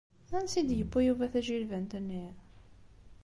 Ansa i d-yewwi Yuba tajilbant-nni?